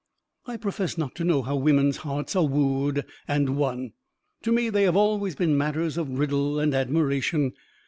I profess not to know how women's hearts are wooed and won. To me they have always been matters of riddle and admiration.